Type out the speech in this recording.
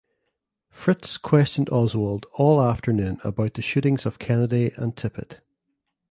Fritz questioned Oswald all afternoon about the shootings of Kennedy and Tippit.